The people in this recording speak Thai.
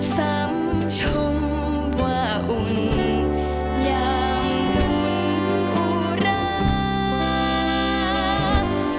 สำชมว่าอุ่นยามหนุนกูรัก